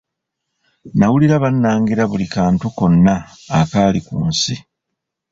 Nawulira bannangira buli kantu konna akali ku nsi.